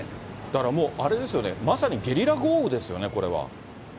だからもう、あれですよね、まさにゲリラ豪雨ですよね、これは。